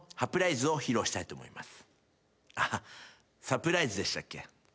あっサプライズでしたっけ？